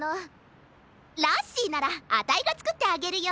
ラッシーならあたいがつくってあげるよ。